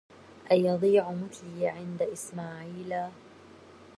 أيضيع مثلي عند اسماعيلا